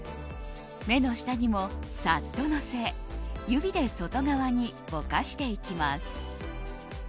目の下にも、さっとのせ指で外側にぼかしていきます。